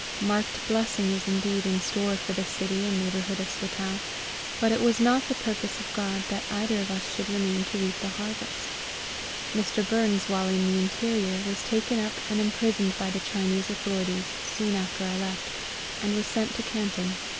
Marked blessing was indeed in store for the city and neighbourhood of Swatow; but it was not the purpose of GOD that either of us should remain to reap the harvest. Mr. Burns while in the interior was taken up and imprisoned by the Chinese authorities soon after I left, and was sent to Canton.